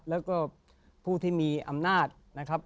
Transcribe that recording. แล้วก็ผู้ที่มีอำนาจนะครับ